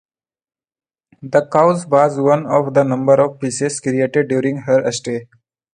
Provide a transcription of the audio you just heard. The "Cows" was one of a number of pieces created during her stay.